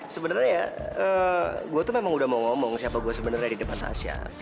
sebenarnya ya gue tuh memang udah mau ngomong siapa gue sebenarnya di depan asia